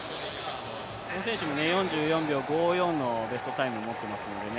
この選手も４４秒５４のベストタイム持ってますのでね